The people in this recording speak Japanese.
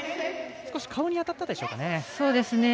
少し顔に当たったでしょうか。